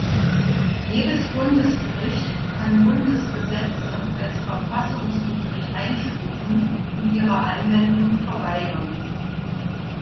Jedes Bundesgericht kann Bundesgesetze als verfassungswidrig einstufen und ihre Anwendung verweigern.